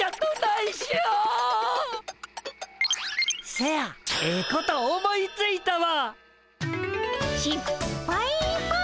せやええこと思いついたわ！